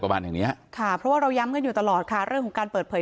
ประมาณนี้ค่ะเพราะว่าเราย้ำกันอยู่ตลอดค่ะการเปิดเผย